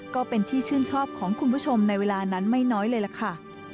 ก็เป็นที่ชื่นชอบของคุณผู้ชมในเวลานั้นไม่น้อยเลยล่ะค่ะ